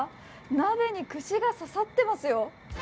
鍋に串が刺さっていますよ。